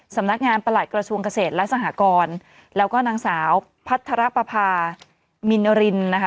สำนักงานประหลัดกระทรวงเกษตรและสหกรแล้วก็นางสาวพัทรปภามินรินนะคะ